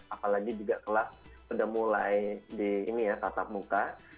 apalagi juga kelas sudah mulai di ini ya tatap muka